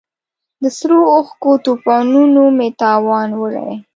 د سرو اوښکو توپانونو مې توان وړی